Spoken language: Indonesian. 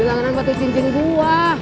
langganan batu cincin gua